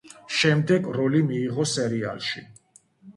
შემდეგ როლი მიიღო სერიალში.